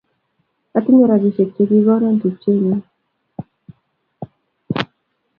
Atinye rapisyek che kikono tupchennyu.